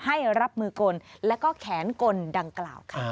ให้รับมือกลแล้วก็แขนกลดังกล่าวค่ะ